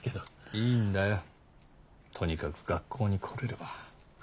いいんだよとにかく学校に来れれば。